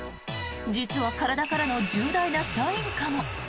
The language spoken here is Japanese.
実は体からの重大なサインかも。